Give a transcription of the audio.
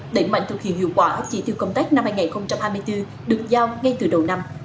để mạnh thực hiện hiệu quả chỉ tiêu công tác năm hai nghìn hai mươi bốn được giao ngay từ đầu năm